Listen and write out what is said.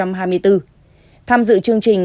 tham dự chương trình